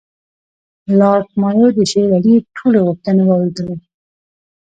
لارډ مایو د شېر علي ټولې غوښتنې واورېدلې.